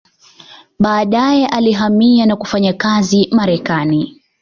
Baadaye alihamia na kufanya kazi Marekani.